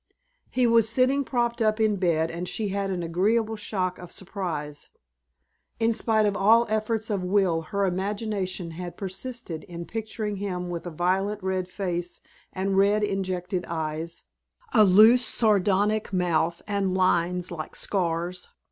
He was sitting propped up in bed and she had an agreeable shock of surprise. In spite of all efforts of will her imagination had persisted in picturing him with a violent red face and red injected eyes, a loose sardonic mouth and lines like scars.